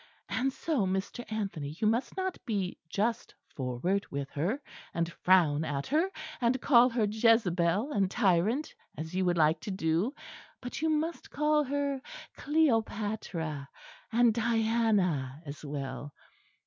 And so, Mr. Anthony, you must not be just forward with her, and frown at her and call her Jezebel and tyrant, as you would like to do; but you must call her Cleopatra, and Diana as well.